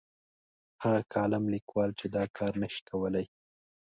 هغه کالم لیکوال چې دا کار نه شي کولای.